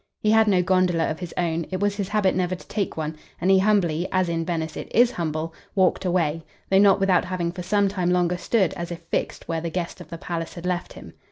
He had no gondola of his own; it was his habit never to take one; and he humbly as in Venice it IS humble walked away, though not without having for some time longer stood as if fixed where the guest of the palace had left him.